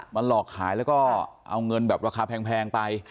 หลอกขายแล้วก็เอาเงินแบบราคาแพงไป